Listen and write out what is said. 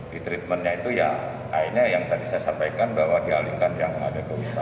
di treatmentnya itu ya akhirnya yang tadi saya sampaikan bahwa dialihkan yang ada ke wisma